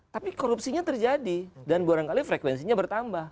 tapi korupsinya terjadi dan barangkali frekuensinya bertambah